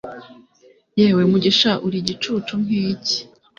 Yewe Mugisha, uri igicucu nkiki!